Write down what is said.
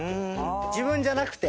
自分じゃなくて。